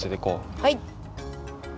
はい！